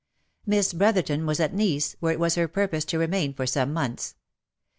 Miss Brotherton was at Nice, where it was her purpose to remain for some months.